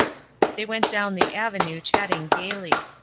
They went down the avenue, chatting gayly.